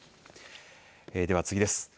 では次です。